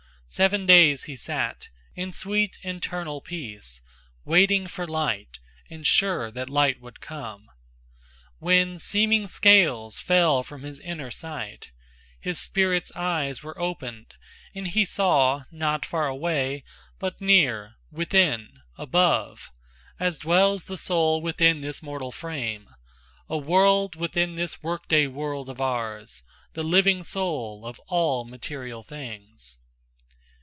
Seven days he sat, in sweet internal peace Waiting for light, and sure that light would come, When seeming scales fell from his inner sight, His spirit's eyes were opened and he saw Not far away, but near, within, above, As dwells the soul within this mortal frame, A world within this workday world of ours, The living soul of all material things.